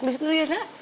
cek disitu ya nak